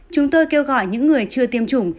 chúng tôi kêu gọi những người chưa tiêm chủng